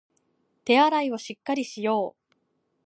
手洗いをしっかりしよう